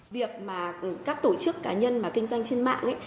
việc mà các tổ chức cá nhân mà kinh doanh trên mạng